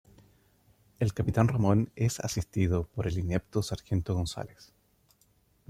El capitán Ramón es asistido por el inepto Sargento González.